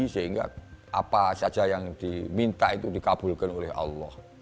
sehingga apa saja yang diminta itu dikabulkan oleh allah